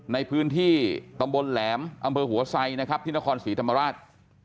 ในพื้นที่ตำบลแหลมอำเภอหัวไซนะครับที่นครศรีธรรมราช